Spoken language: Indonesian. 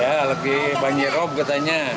ya lagi banjirop katanya